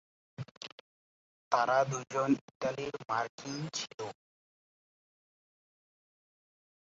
তারা দুজনেই ইতালীয়-মার্কিন ছিলেন।